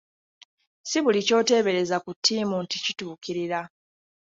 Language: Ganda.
Si buli ky'oteebereza ku ttiimu nti kituukirira.